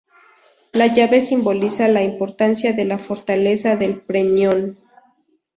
La llave simboliza la importancia de la fortaleza del Peñón.